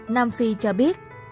nam phi cho biết